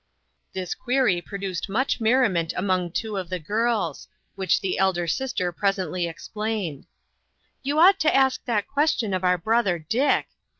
" This query produced much merriment among two of the girls, which the elder sister presently explained :" You ought to ask that question of our brother Dick.